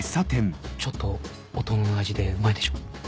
ちょっと大人の味でうまいでしょ？